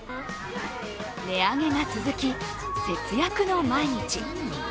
値上げが続き、節約の毎日。